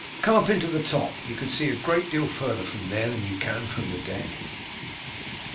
Come up into the top; you can see a great deal farther from there than you can from the deck."